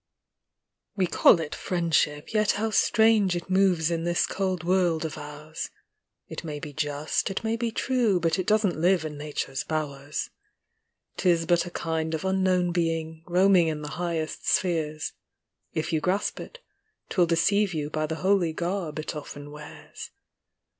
We call it '^Friendship," yet how strange It moves in this cold world of ours; It may be just, it may be true, But it doesn't live iu nature's bower». 'Tis but a kind of unknown being, Koaming in the highest spheres — If you grasp it, 'twill deceive you By the holy garb it often wears.